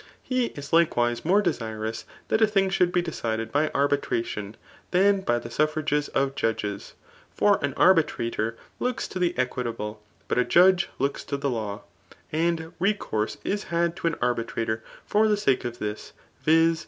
He b likewise more desirous that a thing should be decided by arbitration than by the suflfrages of judges. For an arbitrator locks to the equitable ; but a judge looks to the law. And jtecourse is had to an arbitrator for the sake of this, vis.